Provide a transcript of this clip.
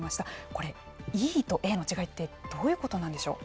これ、ＥとＡの違いどういうことなんでしょう。